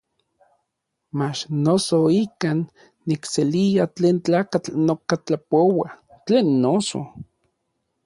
Mach noso ikan nikselia tlen tlakatl noka tlapoua; tlen noso.